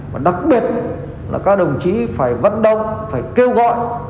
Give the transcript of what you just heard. và đặc biệt là các đồng chí phải vận động phải kêu gọi